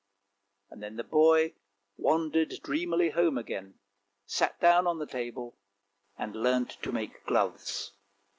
Then the boy wandered dreamily home again, sat down on the table — and learnt to make gloves.